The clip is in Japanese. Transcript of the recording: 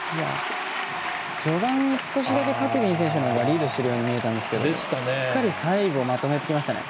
序盤、少しだけカティビン選手の方がリードしているように見えたんですけどしっかり最後まとめてきましたね。